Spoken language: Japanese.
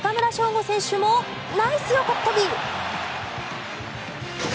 吾選手もナイス横っ飛び！